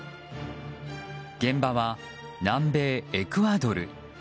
現場は南米エクアドル。